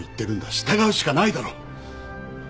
従うしかないだろ。